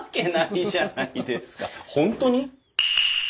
本当に？